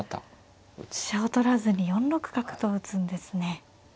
飛車を取らずに４六角と打つんですね。